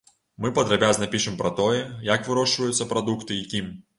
Мы падрабязна пішам пра тое, як вырошчваюцца прадукты і кім.